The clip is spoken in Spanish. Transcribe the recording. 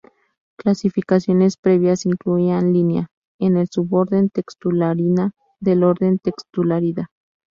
Clasificaciones previas incluían "Linea" en el suborden Textulariina del orden Textulariida.